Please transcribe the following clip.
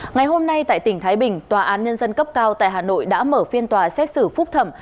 ngày hôm nay tại tỉnh thái bình tòa án nhân dân cấp cao tại hà nội đã mở phiên tòa xét xử phúc thẩm